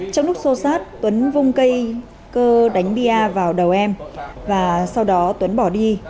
trong lúc xô xát tuấn vung cây cơ đánh bia vào đầu em và sau đó tuấn bỏ đi